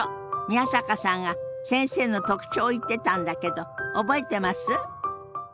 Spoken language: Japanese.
宮坂さんが先生の特徴を言ってたんだけど覚えてます？